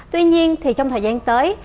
tuy nhiên thì trong thời gian tới